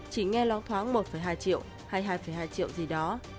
chỉ nghe lau thoáng một hai triệu hay hai hai triệu gì đó